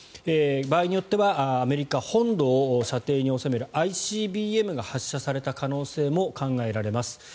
場合によってはアメリカ本土を射程に収めるＩＣＢＭが発射された可能性も考えられます。